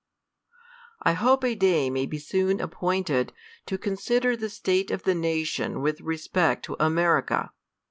I hope a day may be soon appointed to consider the state of the nation with respect to America.